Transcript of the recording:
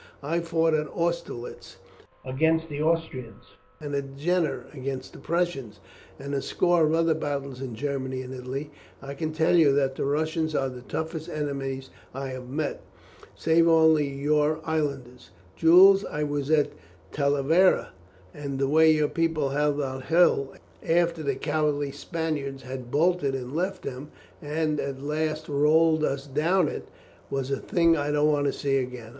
I fought at Austerlitz against the Austrians, and at Jena against the Prussians, and in a score of other battles in Germany and Italy, and I tell you that the Russians are the toughest enemies I have met, save only your Islanders, Jules. I was at Talavera, and the way your people held that hill after the cowardly Spaniards had bolted and left them, and at last rolled us down it, was a thing I don't want to see again.